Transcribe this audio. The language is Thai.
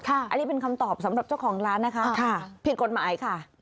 อันนี้เป็นคำตอบสำหรับเจ้าของร้านนะคะผิดกฎหมายค่ะ